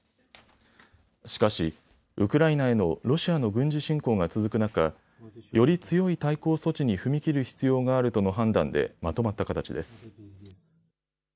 しかしウクライナへのロシアの軍事侵攻が続く中、より強い対抗措置に踏み切る必要があるとの判断でまとまった形です。